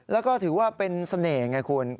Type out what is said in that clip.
แล้วก็ถือว่าเป็นเสน่ห์ไงคุณ